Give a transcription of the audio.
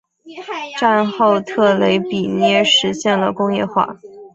战后特雷比涅实现了工业化。